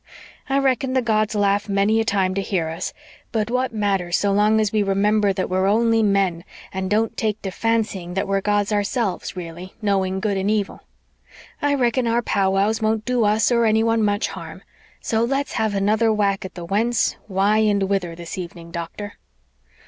I reckon the gods laugh many a time to hear us, but what matters so long as we remember that we're only men and don't take to fancying that we're gods ourselves, really, knowing good and evil. I reckon our pow wows won't do us or anyone much harm, so let's have another whack at the whence, why and whither this evening, doctor."